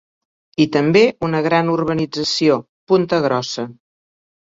I també una gran urbanització, Punta Grossa.